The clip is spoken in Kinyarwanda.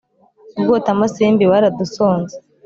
ibwotamasimbi baradusonze